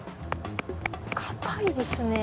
硬いですね。